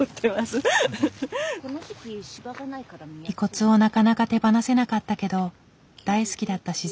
遺骨をなかなか手放せなかったけど大好きだった